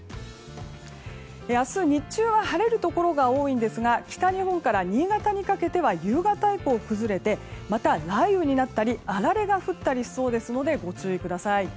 明日、日中は晴れるところが多いですが北日本から新潟にかけては夕方以降、崩れてまた、雷雨になったりあられが降ったりしそうですのでご注意ください。